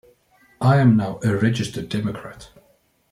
I am now a registered Democrat.